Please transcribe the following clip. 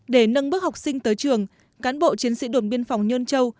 để nâng bước học sinh tới trường cán bộ chiến sĩ đồn biên phòng nhơn châu